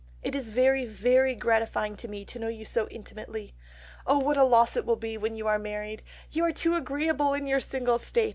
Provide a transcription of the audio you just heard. It is very, very gratifying to me to know you so intimately.... Oh what a loss it will be when you are married! You are too agreeable in your single state.